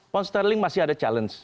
pound sterling masih ada challenge